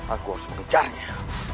aku harus mengejarnya